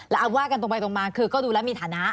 เอาว่ากันตรงไปตรงมาคือก็ดูแล้วมีฐานะ